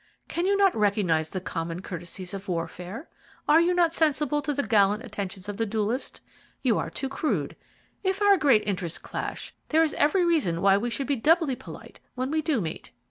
Cannot you recognize the common courtesies of warfare? Are you not sensible to the gallant attentions of the duellist? You are too crude. If our great interests clash, there is every reason why we should be doubly polite when we do meet."